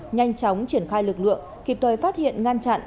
nhanh chóng triển khai lực lượng kịp thời phát hiện ngăn chặn